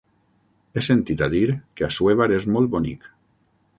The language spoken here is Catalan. He sentit a dir que Assuévar és molt bonic.